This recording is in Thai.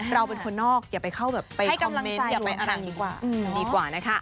เราเป็นคนนอกอย่าไปเข้าแบบไปคอมเม้นต์อย่าไปอะไรดีกว่า